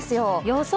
予想